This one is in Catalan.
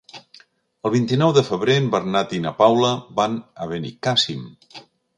El vint-i-nou de febrer en Bernat i na Paula van a Benicàssim.